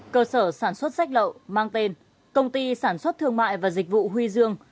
cơ sở sản xuất sách lậu mang tên công ty sản xuất thương mại và dịch vụ huy dương